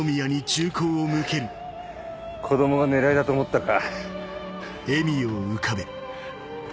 子供が狙いだと思ったか？